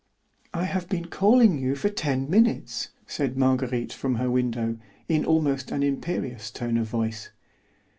"I have been calling you for ten minutes," said Marguerite from her window, in almost an imperious tone of voice.